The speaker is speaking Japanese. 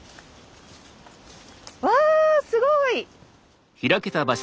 わあすごい！